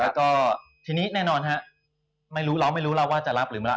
แล้วก็ทีนี้แน่นอนฮะไม่รู้เราไม่รู้แล้วว่าจะรับหรือไม่รับ